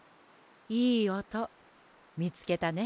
いいおとみつけたね。